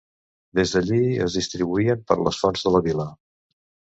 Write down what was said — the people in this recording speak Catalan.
Des d'allí es distribuïen per les fonts de la vila.